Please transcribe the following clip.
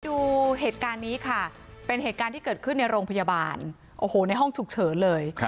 ดูเหตุการณ์นี้ค่ะแปนในห้องฉุกเฉอะเลย